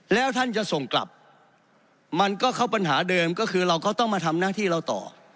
แล้วท่านจะส่งกลับมันก็เข้าปัญหาเดิมก็คือเราก็ต้องมาทำหน้าที่เราต่อ